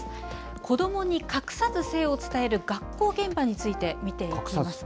子どもに隠さず性を伝える、学校現場について見ていきます。